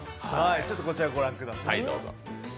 こちら、ご覧ください。